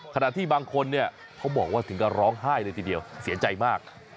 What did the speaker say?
ขณะที่บางคนเนี่ยเขาบอกว่าถึงกับร้องไห้เลยทีเดียวเสียใจมาก